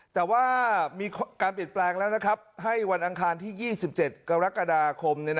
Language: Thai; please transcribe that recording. แต่ว่ามีการปิดแปลงแล้วนะครับให้วันอังคารที่๒๗กรกฎาคม